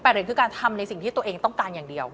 เหรียญคือการทำในสิ่งที่ตัวเองต้องการอย่างเดียว